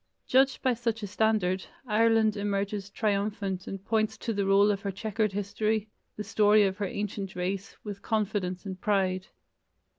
Judged by such a standard, Ireland emerges triumphant and points to the roll of her chequered history, the story of her ancient race, with confidence and pride.